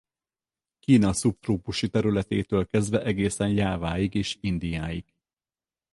Kína szubtrópusi területétől kezdve egészen Jáváig és Indiáig.